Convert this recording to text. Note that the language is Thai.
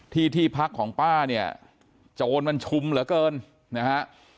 ที่ที่พักของป้าเนี่ยโจรมันชุมเหลือเกินนะฮะ